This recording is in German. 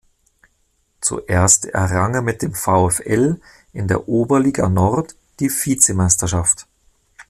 Zuerst errang er mit dem VfL in der Oberliga Nord die Vizemeisterschaft.